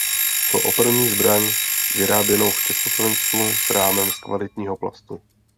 Šlo o první zbraň vyráběnou v Československu s rámem z kvalitního plastu.